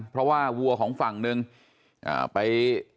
เพราะว่าวัวของฝั่งหนึ่งไป